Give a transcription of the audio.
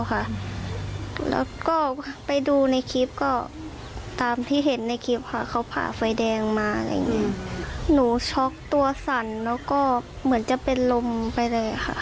ใครมาช่วยหนูออกจากรถ